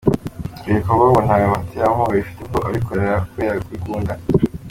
Ibi bikorwa ngo nta baterankunga bifite kuko abikora kubera kubikunda.